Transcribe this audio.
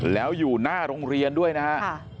แล้วอยู่หน้าโรงเรียนด้วยนะฮะ